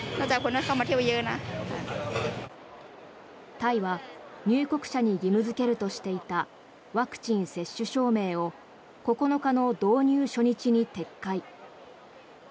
タイは入国者に義務付けるとしていたワクチン接種証明を９日の導入初日に撤回。